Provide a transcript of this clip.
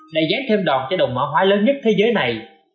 đã dán thêm đòn cho đồng mã hóa lớn nhất thế giới này